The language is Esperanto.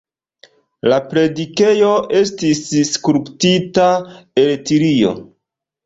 La predikejo estis skulptita el tilio.